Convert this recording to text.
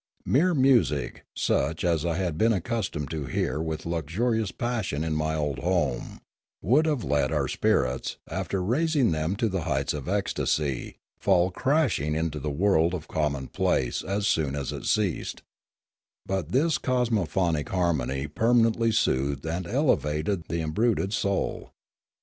Mere music, such as I had been accustomed to hear with luxurious passion in my old home, wt>uld have let our spirits, after raising them to the heights of ecstasy, fall crashing into the world of commonplace as soon as it ceased; but this cosmophonic harmony permanently soothed and elevated the embruted soul.